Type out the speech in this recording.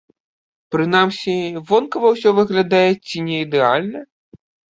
Прынамсі, вонкава ўсё выглядае ці не ідэальна.